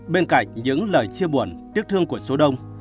bên cạnh những lời chia buồn tiếc thương của số đông